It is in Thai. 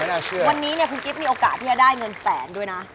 ไม่น่าเชื่อคุณกิ๊บวันนี้คุณกิ๊บมีโอกาสที่จะได้เงินแสนด้วยนะ